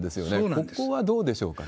ここはどうでしょうかね？